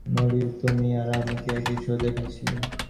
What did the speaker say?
মলি, তুমি আর আমি কি একই শো দেখেছি?